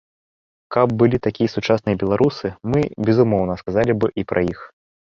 Каб былі такія сучасныя беларусы, мы, безумоўна, сказалі б і пра іх.